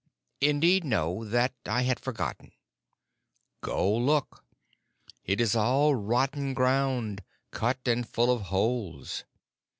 "Indeed, no. That I had forgotten." "Go look. It is all rotten ground, cut and full of holes.